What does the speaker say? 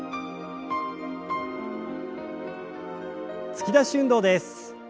突き出し運動です。